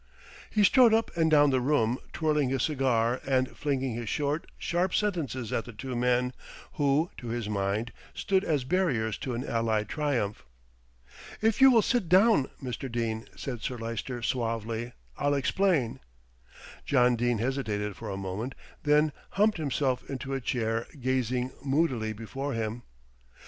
He strode up and down the room, twirling his cigar, and flinging his short, sharp sentences at the two men, who, to his mind, stood as barriers to an Allied triumph. "If you will sit down, Mr. Dene," said Sir Lyster suavely, "I'll explain." John Dene hesitated for a moment, then humped himself into a chair, gazing moodily before him.